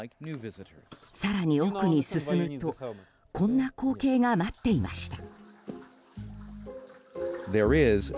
更に奥に進むとこんな光景が待っていました。